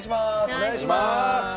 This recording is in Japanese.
お願いします。